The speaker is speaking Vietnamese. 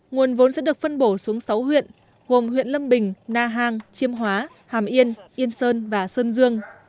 nguồn vốn sẽ được phân bổ xuống sáu huyện gồm huyện lâm bình na hàng chiêm hóa hàm yên yên sơn và sơn dương